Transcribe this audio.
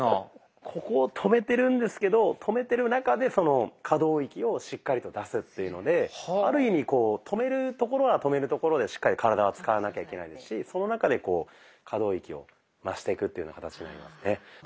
ここを止めてるんですけど止めてる中でその可動域をしっかりと出すっていうのである意味止めるところは止めるところでしっかり体は使わなきゃいけないですしその中でこう可動域を増していくっていうふうな形になりますね。